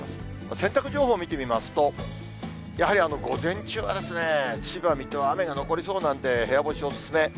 洗濯情報見てみますと、やはり午前中は千葉、水戸は雨が残りそうなんで、部屋干しお勧め。